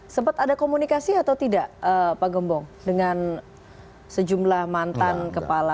sempat ada komunikasi atau tidak pak gembong dengan sejumlah mantan kepala